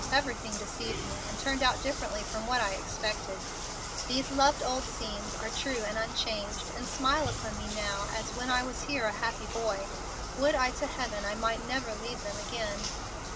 Everything deceived me, and turned out differently from what I expected. These loved old scenes are true and unchanged, and smile upon me now as when I was here a happy boy. Would to heaven I might never leave them again!"